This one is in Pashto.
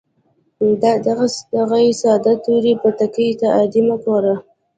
دغې ساده تورې بتکې ته عادي مه ګوره